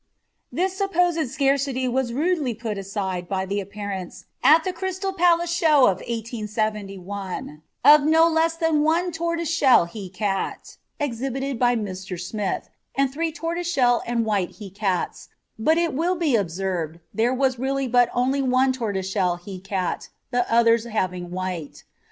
] This supposed scarcity was rudely put aside by the appearance, at the Crystal Palace Show of 1871, of no less than one tortoiseshell he cat (exhibited by Mr. Smith) and three tortoiseshell and white he cats, but it will be observed there was really but only one tortoiseshell he cat, the others having white.